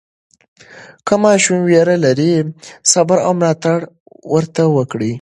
که ماشوم ویره لري، صبر او ملاتړ ورته وکړئ.